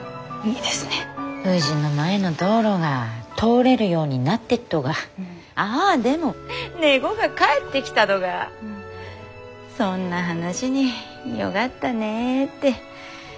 うぢの前の道路が通れるようになってっとがああでも猫が帰ってきたどがそんな話によがったねってみんなで言ってね。